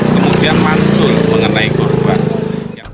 kemudian mantul mengenai korban